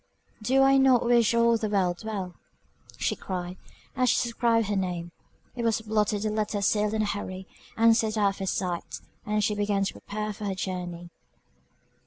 "Do I not wish all the world well?" she cried, as she subscribed her name It was blotted, the letter sealed in a hurry, and sent out of her sight; and she began to prepare for her journey.